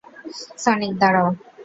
Sonic, দাঁড়াও।